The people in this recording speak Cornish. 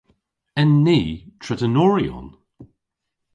En ni tredanoryon?